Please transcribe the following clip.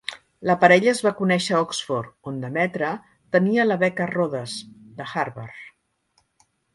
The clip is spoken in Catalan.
La parella es va conèixer a Oxford, on Demetra tenia la beca Rhodes, de Harvard.